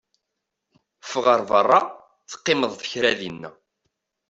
Ffeɣ ar beṛṛa, teqqimeḍ kra dinna!